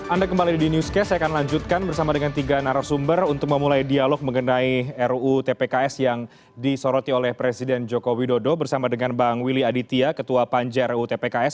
anda kembali di newscast saya akan lanjutkan bersama dengan tiga narasumber untuk memulai dialog mengenai ruu tpks yang disoroti oleh presiden joko widodo bersama dengan bang willy aditya ketua panja rutpks